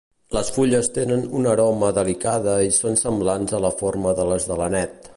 Les fulles tenen una aroma delicada i són semblants a la forma de les de l'anet.